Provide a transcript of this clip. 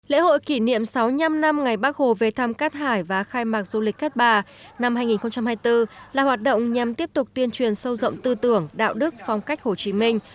lễ hội kỷ niệm sáu mươi năm năm ngày bắc hồ về thám cát hải và khai mạc du lịch cát bà năm hai nghìn hai mươi bốn là hoạt động nhằm tiếp tục tuyên truyền sâu rộng tư tưởng đạo đức phong cách hồ chí minh